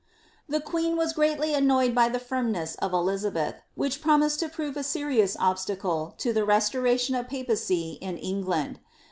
* The queen was greatly annoyed by the firmness of Elizabeth, which promised to prove a seri ous obstacle to the restoration of papacy in England.